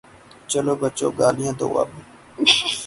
چلو بچو، گالیاں دو اب۔